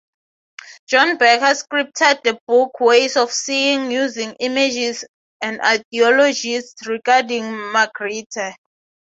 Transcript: John Berger scripted the book "Ways of Seeing" using images and ideologies regarding Magritte.